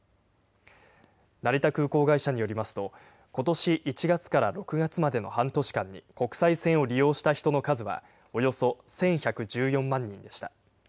成田空港会社によりますと、ことし１月から６月までの半年間に国際線を利用した人の数はおよそ１１１４万人でした。